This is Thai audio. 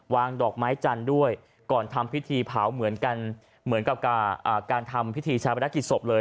วางดอกไม้จันทร์ด้วยก่อนทำพิธีเผาเหมือนกับการทำพิธีชาวบันดักกิจศพเลย